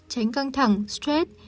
tránh căng thẳng stress